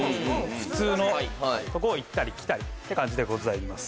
普通のところを行ったり来たりって感じでございます。